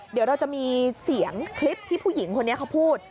เดี๋ยวเราจะมีเสียงคลิปที่ผู้หญิงคนนี้เขาพูด